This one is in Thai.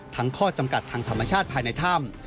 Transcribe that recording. ข้อจำกัดทางธรรมชาติภายในถ้ำ